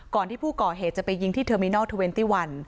ก่อนที่ผู้ก่อเหตุจะไปยิงที่เทอร์มินอล๒๑